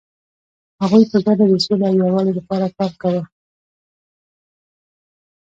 هغوی په ګډه د سولې او یووالي لپاره کار کاوه.